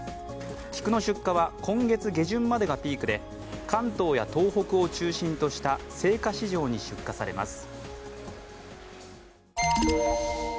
菊の出荷は今月下旬までがピークで関東や東北を中心とした生花市場に出荷されます。